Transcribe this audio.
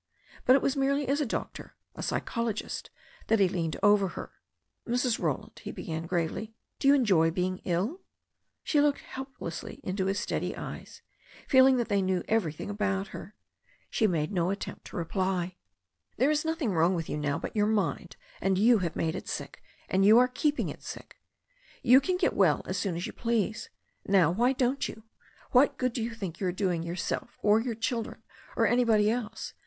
But it was merely as a doctor, a psychologist, that he leaned over her. "Mrs. Roland," he began gravely, "do you enjoy being ill ?" She looked helplessly into his steady eyes, feeling that they knew everything about her. She made no attempt to reply. "There is nothing wrong with you now but your mind, and you have made it sick, and you are keeping it sick. You can get well as soon as you please. Now, why don't you? What good do you think you are doing yourself or your children, or anybody else?